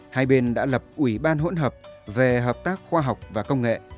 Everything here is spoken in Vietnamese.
hai bên đã lập ủy ban hỗn hợp về hợp tác khoa học và công nghệ